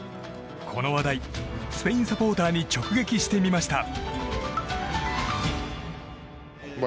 この話題、スペインサポーターに直撃してみました。